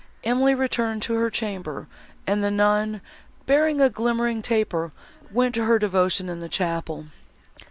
Emily returned to her chamber, and the nun, bearing a glimmering taper, went to her devotion in the chapel.